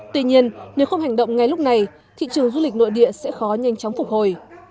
tuy nhiên nếu không hành động ngay lúc này thị trường du lịch nội địa sẽ khó nhanh chóng phục hồi